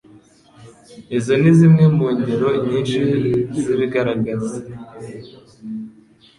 Izo ni zimwe mu ngero nyinshi zibigaragaza